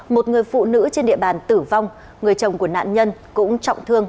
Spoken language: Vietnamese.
một người phụ nữ trên địa bàn tử vong người chồng của nạn nhân cũng trọng thương